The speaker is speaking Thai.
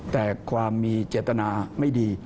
แต่ความมีเจตนาไม่ดี